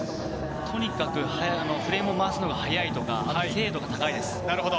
とにかくフレームを回すのが速いとか精度が高いです。